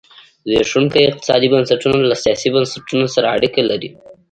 زبېښونکي اقتصادي بنسټونه له سیاسي بنسټونه سره اړیکه لري.